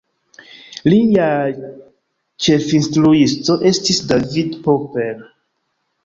Liaj ĉefinstruisto estis David Popper.